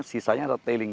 sisanya adalah tailing